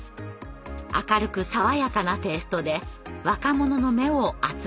明るく爽やかなテイストで若者の目を集めました。